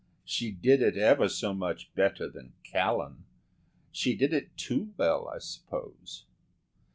She did it ever so much better than Callan. She did it too well, I suppose."